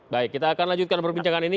baik kita akan lanjutkan perbincangan ini